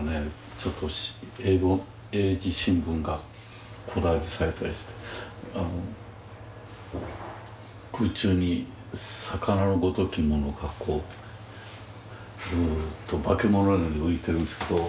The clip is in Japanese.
ちょっと英語英字新聞がコラージュされたりして空中に魚のごときものがこうふっと化け物に浮いてるんですけど。